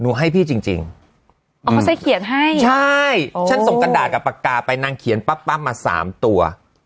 รู้ให้พี่จริง่องเปียงให้ที่ท่ายไม่สนขาไปนั่งเขียนป๊ะป้างที่มาสามตัว